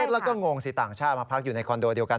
แล้วก็งงสิต่างชาติมาพักอยู่ในคอนโดเดียวกัน